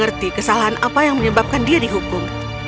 aku tidak tahu apa yang menyebabkan dia dihukum